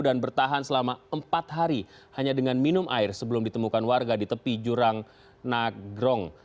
dan bertahan selama empat hari hanya dengan minum air sebelum ditemukan warga di tepi jurang nagrong